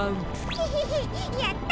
ヘヘヘやった！